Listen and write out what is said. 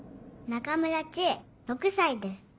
中村知恵６歳です。